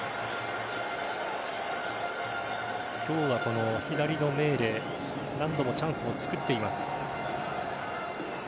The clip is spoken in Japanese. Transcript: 今日は左のメーレ何度もチャンスを作っています。